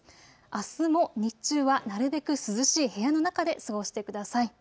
あすも日中はなるべく涼しい部屋の中で過ごしてください。